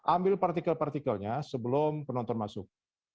ambil partikel partikelnya sebelum penonton masuk